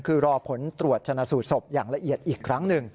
คือรอผลตรวจชนะสูตรศพอย่างละเอียดอีกครั้งหนึ่ง